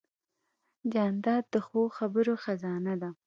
جانداد د ښو خبرو خزانه ده.